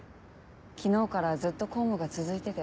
昨日からずっと公務が続いてて。